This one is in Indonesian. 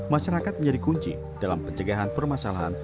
masyarakat menjadi kunci dalam pencegahan permasalahan